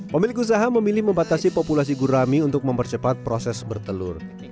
pemilik usaha memilih membatasi populasi gurami untuk mempercepat proses bertelur